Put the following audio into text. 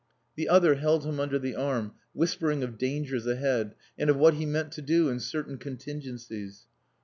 The other held him under the arm, whispering of dangers ahead, and of what he meant to do in certain contingencies.